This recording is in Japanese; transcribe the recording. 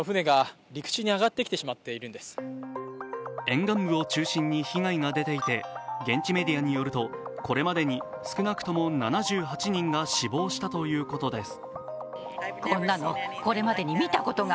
沿岸部を中心に被害が出ていて、現地メディアによると、これまでに少なくとも７８人が死亡したということです。